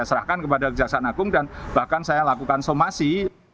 saya serahkan kepada kejaksaan agung dan bahkan saya lakukan somasi